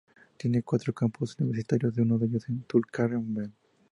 Tiene cuatro campus universitarios, uno de ellos en Tulkarem.